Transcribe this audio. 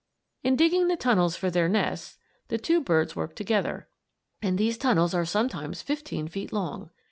In digging the tunnels for their nests the two birds work together, and these tunnels are sometimes fifteen feet long.